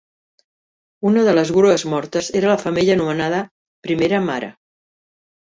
Una de les grues mortes era la femella anomenada "Primera mare".